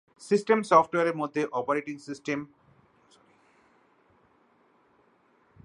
System সফটওয়্যারের মধ্যে আছে অপারেটিং সিস্টেম, হার্ডওয়্যার ড্রাইভার ইত্যাদি।